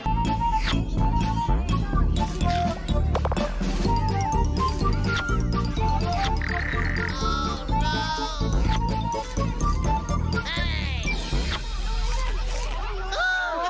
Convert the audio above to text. โอ้คุณพี่